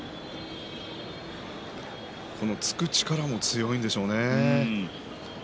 突く力も強いんでしょうね。